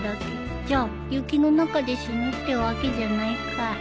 じゃあ雪の中で死ぬってわけじゃないか